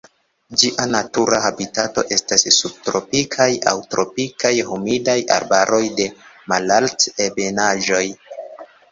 Ĝia natura habitato estas subtropikaj aŭ tropikaj humidaj arbaroj de malalt-ebenaĵoj.